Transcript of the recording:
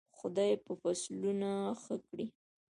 خدای به فصلونه ښه کړي.